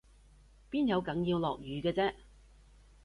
邊有梗要落雨嘅啫？